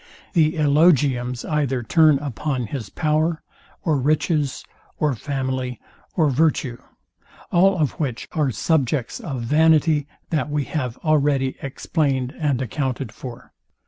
The elogiums either turn upon his power, or riches, or family, or virtue; all of which are subjects of vanity, that we have already explained and accounted for.